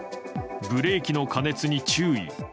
ブレーキの過熱に注意。